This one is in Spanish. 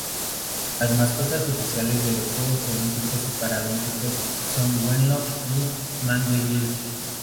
Las mascotas oficiales de los Juegos Olímpicos y Paralímpicos son Wenlock y Mandeville.